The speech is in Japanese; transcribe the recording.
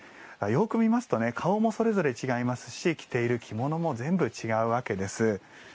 よく見ますと顔もそれぞれ違いますし着ている着物も全部違うわけです。